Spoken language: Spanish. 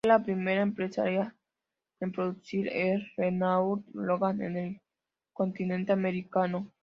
Fue la primera empresa en producir el Renault Logan en el continente Americano.